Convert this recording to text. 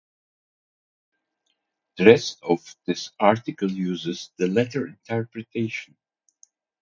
The rest of this article uses the latter interpretation.